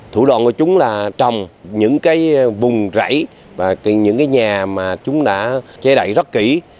thủ đoạn của chúng là trồng những cái vùng rẫy và những cái nhà mà chúng đã che đậy rất kỹ